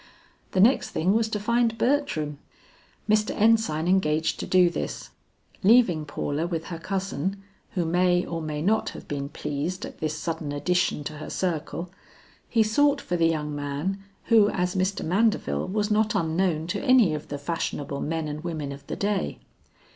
The next thing was to find Bertram. Mr. Ensign engaged to do this. Leaving Paula with her cousin, who may or may not have been pleased at this sudden addition to her circle, he sought for the young man who as Mr. Mandeville was not unknown to any of the fashionable men and women of the day.